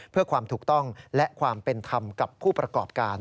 เพื่อความถูกต้องและความเป็นธรรมกับผู้ประกอบการ